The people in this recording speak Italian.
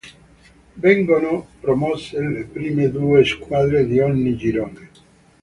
Vengono promosse le prime due squadre di ogni girone.